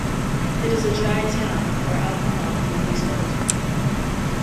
It is a dry town, where alcohol cannot be sold.